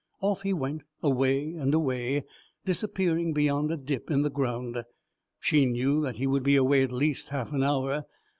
Off he went, away and away, disappearing beyond a dip in the ground. She knew that he would be away at least half an hour.